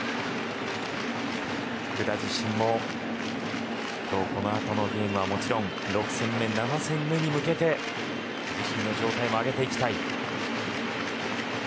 福田自身も今日このあとのゲームはもちろん６戦目、７戦目に向けて自身の状態も上げていきたい。